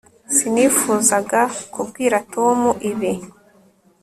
sinifuzaga kubwira tom ibi